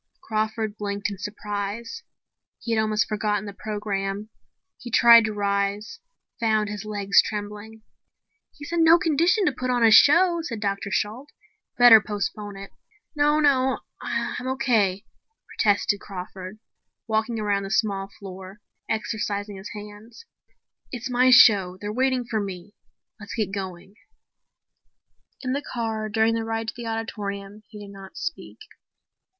Crawford blinked in surprise. He had almost forgotten the program. He tried to rise, found his legs trembling. "He's in no condition to put on a show," said Dr. Shalt. "Better postpone it." "No, no, I'm okay," protested Crawford, walking around the small floor, exercising his hands. "It's my show. They're waiting for me. Let's get going." In the car, during the ride to the auditorium, he did not speak.